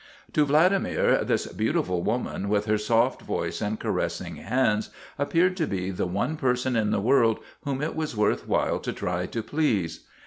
To Vladimir this beautiful woman, with her soft voice and caressing hands, appeared to be the one person in the world whom it was worth while to try to please.